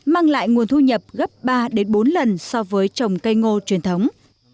mang lại nguồn thu nhập gấp ba bốn lần so với trồng cây ngô truyền thống